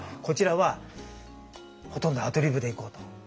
こちらはほとんどアドリブでいこうと。